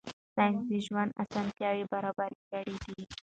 ساینس د ژوند اسانتیاوې برابرې کړې دي.